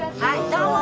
どうも。